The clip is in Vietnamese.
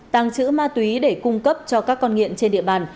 tàng trữ ma túy để cung cấp cho các con nghiện trên địa bàn